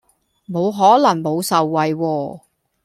冇可能冇受惠喎